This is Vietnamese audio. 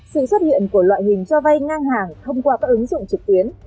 sự xuất hiện của loại hình cho vay ngang hàng thông qua các ứng dụng trực tuyến